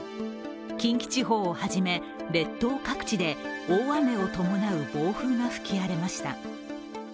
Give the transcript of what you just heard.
近畿地方をはじめ列島各地で大雨を伴う暴風が吹き荒れました。